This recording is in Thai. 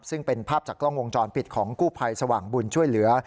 ซึ่งเป็นภาพจากกล้องวงจรปิดของกู้ภัยสว่างบุญช่วยเหลือ